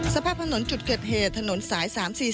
สภาพถนนจุดเกิดเหตุถนนสาย๓๔๔